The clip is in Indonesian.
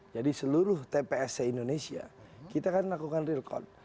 jadi seluruh tpsc indonesia kita kan melakukan realcon